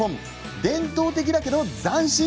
伝統的だけど斬新